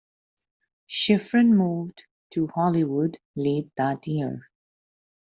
Schifrin moved to Hollywood late that year.